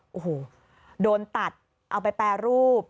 โอ้โหโดนตัดเอาไปแปรรูป